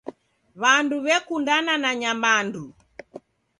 Wandu wekundana na nyamandu.